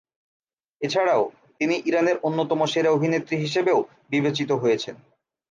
এছাড়াও তিনি ইরানের অন্যতম সেরা অভিনেত্রী হিসাবেও বিবেচিত হয়েছেন।